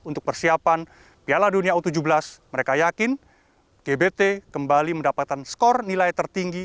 untuk persiapan piala dunia u tujuh belas mereka yakin gbt kembali mendapatkan skor nilai tertinggi